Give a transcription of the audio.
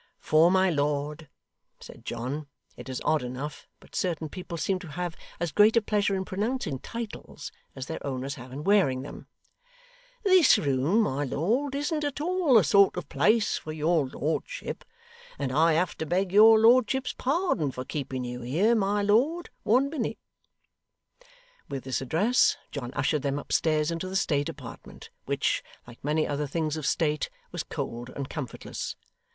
'For my lord,' said John it is odd enough, but certain people seem to have as great a pleasure in pronouncing titles as their owners have in wearing them 'this room, my lord, isn't at all the sort of place for your lordship, and I have to beg your lordship's pardon for keeping you here, my lord, one minute.' With this address, John ushered them upstairs into the state apartment, which, like many other things of state, was cold and comfortless.